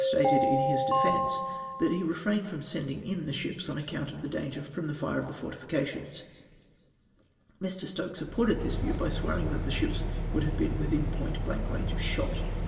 MALCOmi S TESTIMOXY frainecl from sending in the ships on account of the danger from the fire of the fortifications. ]\Ir. Stokes su]oported this view by swearing that tlie ships would have been "within point blank range of shot."